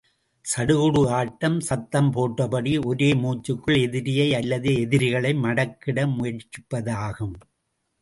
சடுகுடு ஆட்டம் சத்தம் போட்டபடி, ஒரே மூச்சுக்குள் எதிரியை அல்லது எதிரிகளை மடக்கிட முயற்சிப்பதாகும்.